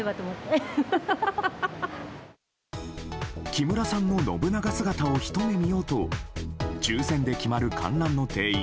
木村さんの信長姿をひと目見ようと抽選で決まる観覧の定員